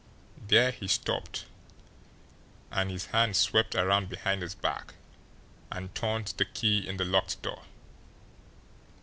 There he stopped, and his hand swept around behind his back and turned the key in the locked door.